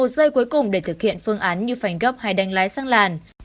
một giây cuối cùng để thực hiện phương án như phanh gấp hay đánh lái sang làn